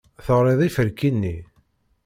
Teɣriḍ iferki-nni?